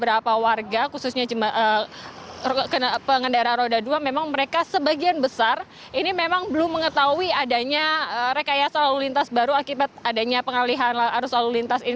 beberapa warga khususnya pengendara roda dua memang mereka sebagian besar ini memang belum mengetahui adanya rekayasa lalu lintas baru akibat adanya pengalihan arus lalu lintas ini